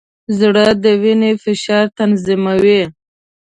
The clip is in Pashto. زړه د وینې فشار تنظیموي.